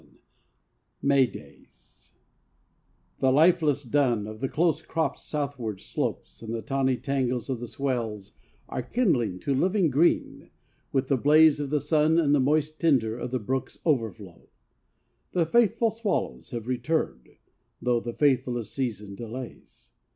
XII MAY DAYS The lifeless dun of the close cropped southward slopes and the tawny tangles of the swales are kindling to living green with the blaze of the sun and the moist tinder of the brook's overflow. The faithful swallows have returned, though the faithless season delays.